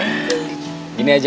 ya iya lah orang dari awal lagi